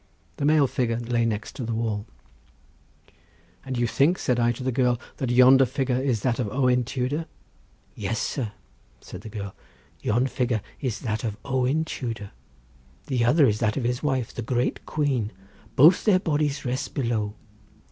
The male figure lay next the wall. "And you think," said I to the girl, "that yonder figure is that of Owen Tudor?" "Yes, sir," said the girl; "yon figure is that of Owen Tudor; the other is that of his wife, the great queen; both their bodies rest below."